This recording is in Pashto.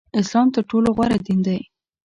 اسلام تر ټولو غوره دین دی